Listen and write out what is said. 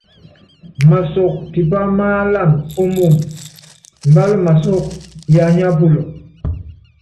Masɔk tipá máálan ó moomb, mbál masɔ́k yanyá pulɔ.